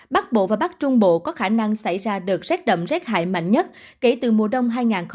bắc bộ và bắc trung bộ có khả năng xảy ra đợt rét đậm rét hại mạnh nhất kể từ mùa đông hai nghìn hai mươi một hai nghìn hai mươi hai